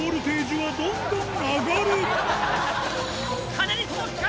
鐘に届くか？